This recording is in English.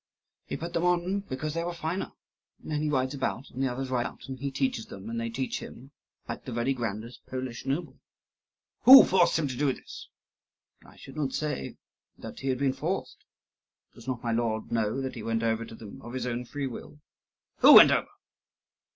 "He put them on because they were finer. And he rides about, and the others ride about, and he teaches them, and they teach him; like the very grandest Polish noble." "Who forced him to do this?" "I should not say that he had been forced. Does not my lord know that he went over to them of his own free will?" "Who went over?"